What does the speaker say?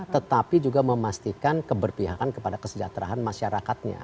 tetapi juga memastikan keberpihakan kepada kesejahteraan masyarakatnya